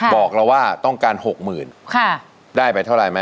บอกเราว่าต้องการหกหมื่นได้ไปเท่าไรไหมครับ